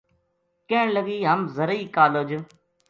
کہن لگی:” ہم زرعی کالج